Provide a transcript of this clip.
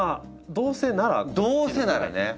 どうせならね。